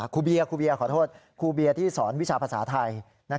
ครูเบียครูเบียขอโทษครูเบียร์ที่สอนวิชาภาษาไทย